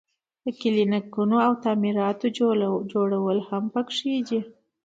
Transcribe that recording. د کلینیکونو او تعمیراتو جوړول هم پکې دي.